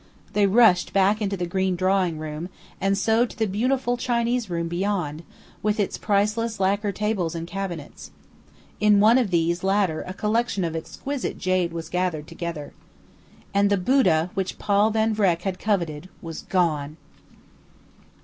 They rushed back into the green drawing room, and so to the beautiful Chinese room beyond, with its priceless lacquer tables and cabinets. In one of these latter a collection of exquisite jade was gathered together. And the Buddha which Paul Van Vreck had coveted was gone!